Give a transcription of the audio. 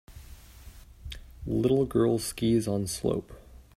Little girl skis on slope.